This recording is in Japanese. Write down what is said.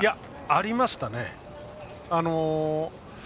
ありましたね。